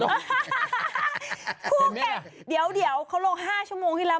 คู่แข่งเดี๋ยวเดี๋ยวเขาลง๕ชั่วโมงทีแล้ว